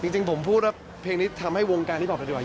จริงผมพูดว่าเพลงนี้ทำให้วงการที่ผมฟังกันดีกว่า